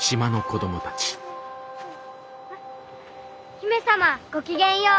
姫様ごきげんよう。